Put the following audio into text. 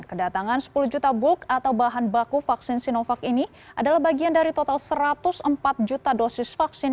kedatangan sepuluh juta bulk atau bahan baku vaksin sinovac ini adalah bagian dari total satu ratus empat juta dosis vaksin